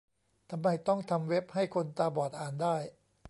ทำไมต้องทำเว็บให้คนตาบอดอ่านได้ ?